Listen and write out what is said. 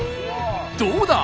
どうだ！